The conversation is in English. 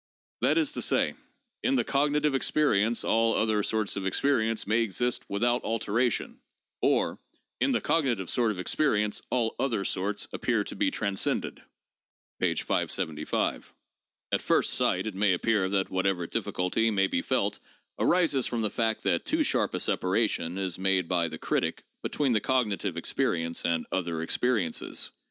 That is to say, 'In the cognitive experience all other sorts of experience may exist without alteration,' or, 'In the cognitive sort of experience all other sorts appear to be transcended' (p. 575). At first sight it may appear that whatever difficulty may be felt arises from the fact that too sharp a separation is made by the critic between the cognitive experience and 'other experiences.'